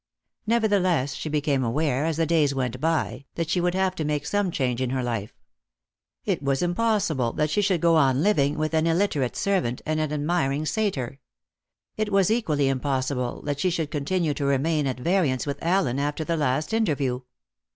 Nevertheless, she became aware, as the days went by, that she would have to make some change in her life. It was impossible that she should go on living with an illiterate servant and an admiring satyr. It was equally impossible that she could continue to remain at variance with Allen after the last interview.